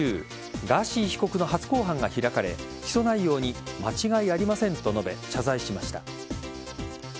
ガーシー被告の初公判が開かれ起訴内容に間違いありませんと述べ謝罪しました。